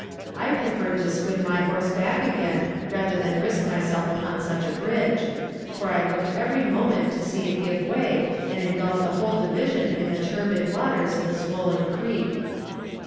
I preferred to swim my horse back again rather than risk myself upon such a bridge, for I looked every moment to see it give way and engulf the whole division in the turbid waters of the swollen creek.